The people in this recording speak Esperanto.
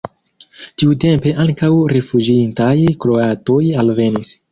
Tiutempe ankaŭ rifuĝintaj kroatoj alvenis.